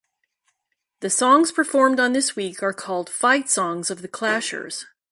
The songs performed on this week are called "Fight Songs" of the clashers.